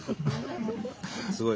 すごい。